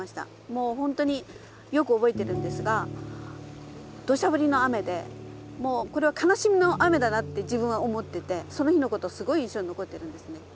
もうほんとによく覚えてるんですがどしゃ降りの雨でもうこれは悲しみの雨だなって自分は思っててその日のことすごい印象に残ってるんですね。